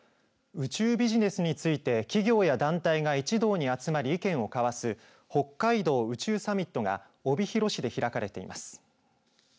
宇宙ビジネスについて企業や団体が一堂に集まり意見を交わす北海道宇宙サミットが帯広市で開かれています。